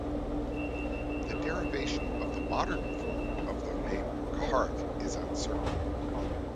The derivation of the modern form of the name "Carharrack" is uncertain.